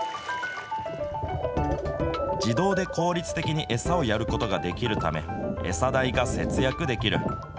自動で効率的に餌をやることができるため、餌代が節約できる。